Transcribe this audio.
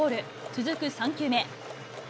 続く３球目。